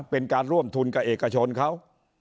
เป็นการร่วมทุนกับเอกชนเขา